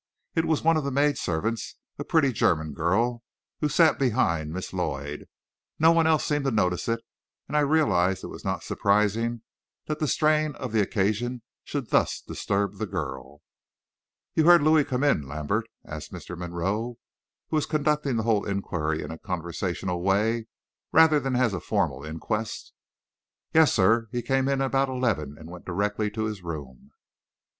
It was one of the maidservants, a pretty German girl, who sat behind Miss Lloyd. No one else seemed to notice it, and I realized it was not surprising that the strain of the occasion should thus disturb the girl. "You heard Louis come in, Lambert?" asked Mr. Monroe, who was conducting the whole inquiry in a conversational way, rather than as a formal inquest. "Yes, sir; he came in about eleven, and went directly to his room."